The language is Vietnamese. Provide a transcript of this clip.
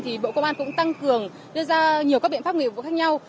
thì bộ công an cũng tăng cường đưa ra nhiều các biện pháp nghiệp vụ khác nhau